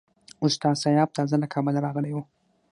استاد سیاف تازه له کابله راغلی وو.